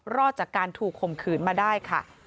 รอดจากการถูกข่มขืนมาได้ค่ะ